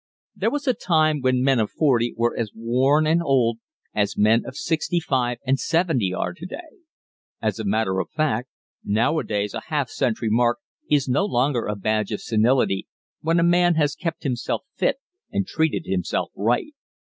There was a time when men of forty were as worn and old as men of sixty five and seventy are today. As a matter of fact, nowadays a half century mark is no longer a badge of senility when a man has kept himself fit and treated himself right.